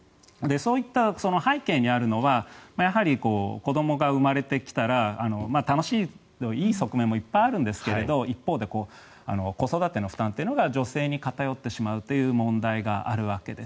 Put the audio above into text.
その背景にあるのは子どもが生まれてきたら楽しい、いい側面もいっぱいあるんですけど一方で子育ての負担が女性に偏ってしまうという問題があるわけです。